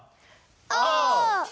お！